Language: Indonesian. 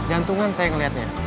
jantungan saya ngeliatnya